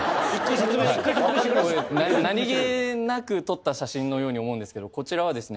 これ何気なく撮った写真のように思うんですけどこちらはですね